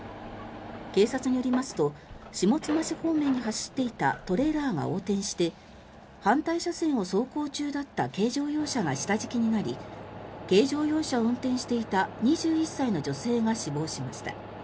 警察によりますと下妻市方面に走っていたトレーラーが横転して反対車線を走行中だった軽乗用車が下敷きになり軽乗用車を運転していた２１歳の女性が死亡しました。